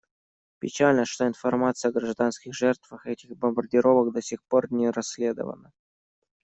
Печально, что информация о гражданских жертвах этих бомбардировок до сих пор не расследована.